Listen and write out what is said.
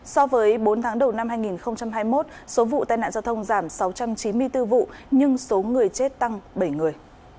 so với bốn tháng đầu năm hai nghìn hai mươi một số vụ tai nạn giao thông giảm sáu trăm chín mươi bốn vụ nhưng số người chết tăng bảy người